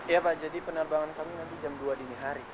ya pak jadi penerbangan kami nanti jam dua dini hari